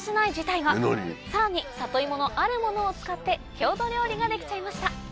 えっ何⁉さらに里芋のあるものを使って郷土料理が出来ちゃいました。